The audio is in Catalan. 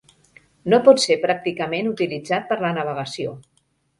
No pot ser pràcticament utilitzat per la navegació.